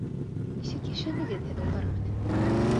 Нисек йәшәнегеҙ һеҙ улар менән?